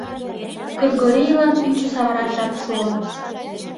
Кыргорийлан ӱчӧ савыраш жап шуо.